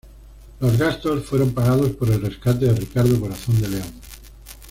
Los gastos fueron pagados por el rescate de Ricardo Corazón de León.